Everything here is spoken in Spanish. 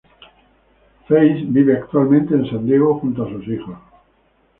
Feist vive actualmente en San Diego junto a sus hijos.